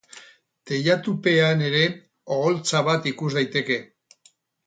Teilatupean ere oholtza bat ikus daiteke.